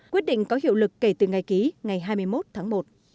quyết định có hiệu lực kể từ ngày ký ngày hai mươi một tháng một